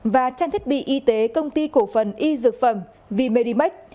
và trang thiết bị y tế công ty cổ phần y dược phẩm v medimax